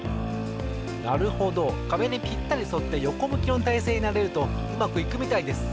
なるほどかべにぴったりそってよこむきのたいせいになれるとうまくいくみたいです。